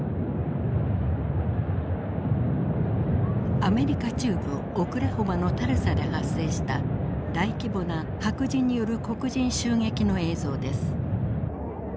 アメリカ中部オクラホマのタルサで発生した大規模な白人による黒人襲撃の映像です。